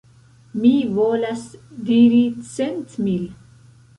Mi volas diri cent mil.